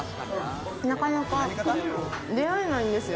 なかなか出会えないんですよ。